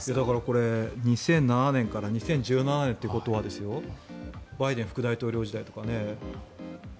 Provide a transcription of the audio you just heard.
これ、２００７年から２０１７年ということはバイデン副大統領時代とかね。